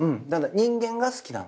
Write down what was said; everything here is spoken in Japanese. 人間が好きなの。